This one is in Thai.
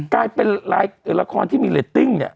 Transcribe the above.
กลายเป็นละครที่มีเรตติ้งเนี่ย